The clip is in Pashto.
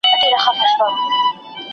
¬ لېوني تې ول ځغله، چي مست راغی.